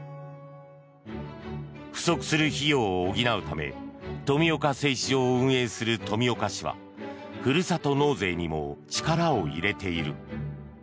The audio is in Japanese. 不足する費用を補うため富岡製糸場を運営する富岡市はふるさと納税にも力を入れている。